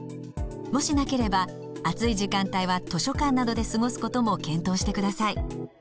もしなければ暑い時間帯は図書館などで過ごすことも検討してください。